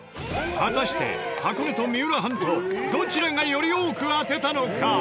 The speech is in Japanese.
果たして箱根と三浦半島どちらがより多く当てたのか？